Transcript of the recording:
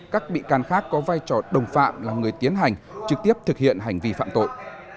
các bị can khác có vai trò đồng phạm là người tiến hành trực tiếp thực hiện hành vi phạm tội